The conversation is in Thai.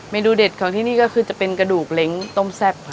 ดูเด็ดของที่นี่ก็คือจะเป็นกระดูกเล้งต้มแซ่บค่ะ